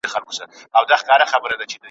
شپو ته مي خوبونه لکه زلفي زولانه راځي `